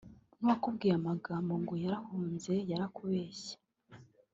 n’uwakubwiye amagambo ngo yarahunze yarakubeshye